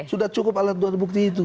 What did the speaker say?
sudah cukup alat bukti itu